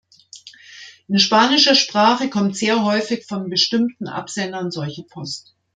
In spanischer Sprache kommt sehr häufig von bestimmten Absendern solche Post.